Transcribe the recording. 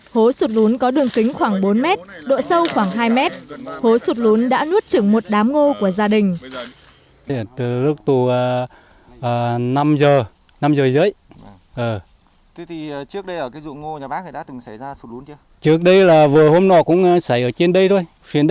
hố sụt lún có đường kính khoảng bốn m độ sâu khoảng hai m hố sụt lún đã nuốt trứng một đám ngô của gia đình